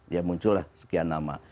ya muncul lah sekian nama